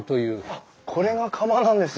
あっこれが釜なんですね。